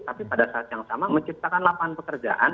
tapi pada saat yang sama menciptakan lapangan pekerjaan